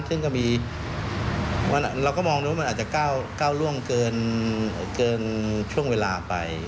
เราก็มองดมันอาจจะก้าวร่วงเกินช่วงเวลาไป